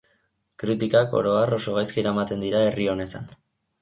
Kritikak, oro har, oso gaizki eramaten dira herri honetan.